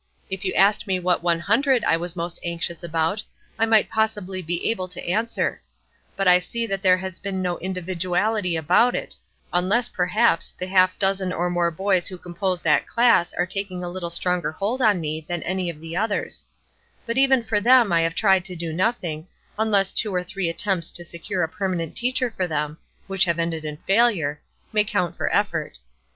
If you asked me what one hundred I was most anxious about, I might possibly be able to answer; but I see that there has been no individuality about it, unless, perhaps, the half dozen or more boys who compose that class are taking a little stronger hold on me than any of the others; but even for them I have tried to do nothing, unless two or three attempts to secure a permanent teacher for them which have ended in failure may count for effort.